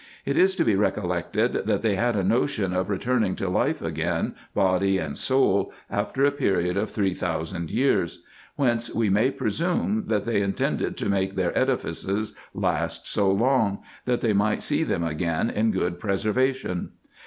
It is to he recollected, that they had a notion of re turning to life again, body and soul, after a period of three thousand years : whence we may presume, that they intended to make their edifices last so long, that they might see them again in good pre servation.